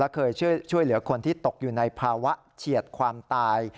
เคยช่วยเหลือคนที่ตกอยู่ในภาวะเฉียดความตาย